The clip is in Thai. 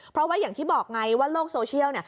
เพราะว่าอย่างที่บอกไงว่าโลกโซเชียล